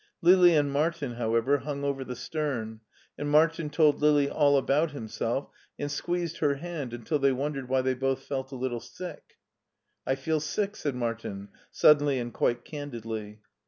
Lili and Martin, however, hung over the stern, and Martin told Lili all about himself, and squeezed her hand until they wondered why they both felt a little sick. " I feel sick,'* said Martin, sudc^enly and quite candidly.